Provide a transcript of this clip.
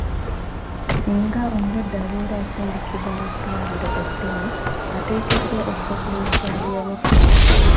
Singa omulwadde abeera asindikibwa mu ddwaliro eddene, ateekeddwa okusasula ebisale by'amafuta.